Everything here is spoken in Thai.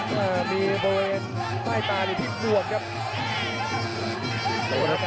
กระโดยสิ้งเล็กนี่ออกกันขาสันเหมือนกันครับ